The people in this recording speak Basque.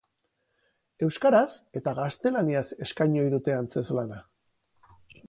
Euskaraz eta gaztelaniaz eskaini ohi dute antzezlana.